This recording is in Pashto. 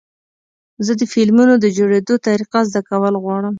زه د فلمونو د جوړېدو طریقه زده کول غواړم.